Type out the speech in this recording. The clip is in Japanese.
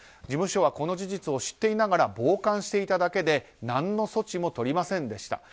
事務所はこの事実を知っていながら傍観していただけで何の措置もとりませんでした。